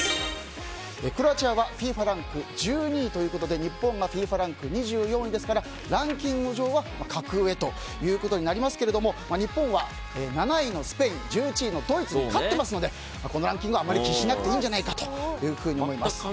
クロアチアはＦＩＦＡランキング１２位ということで日本がＦＩＦＡランク２４位ですからランキング上は格上となりますが日本は７位のスペイン１１位のドイツに勝っていますのでこのランキングはあまり気にしなくて全く関係ないね、もう。